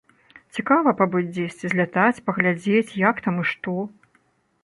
Цікава пабыць дзесьці, злятаць, паглядзець, як там і што.